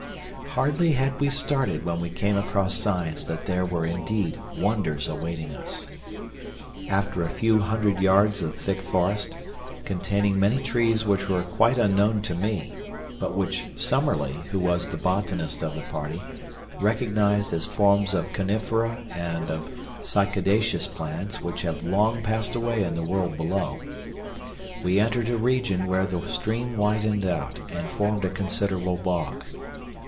Hardly had we started when we came across signs that there were indeed wonders awaiting us. After a few hundred yards of thick forest, containing many trees which were quite unknown to me, but which Summerlee, who was the botanist of the party, recognized as forms of conifera and of cycadaceous plants which have long passed away in the world below, we entered a region where the stream widened out and formed a considerable bog.